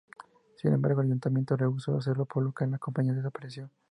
Sin embargo el Ayuntamiento rehusó hacerlo, por lo que la compañía desapareció.